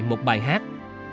một bài hát